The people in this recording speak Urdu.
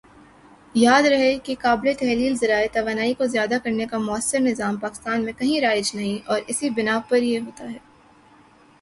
یاد رہے کہ قابلِ تحلیل ذرائع توانائی کو ذیادہ کرنے کا مؤثر نظام پاکستان میں کہیں رائج نہیں اور اسی بنا پر یہ ہوتا ہے